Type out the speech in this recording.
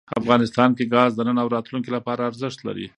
افغانستان کې ګاز د نن او راتلونکي لپاره ارزښت لري.